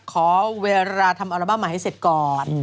ขอเวลาทำอัลบั้มมาให้เสร็จก่อน